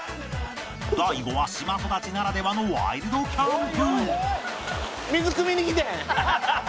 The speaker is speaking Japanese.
大悟は島育ちならではのワイルドキャンプ水くみに来てん。